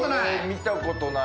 見たことない。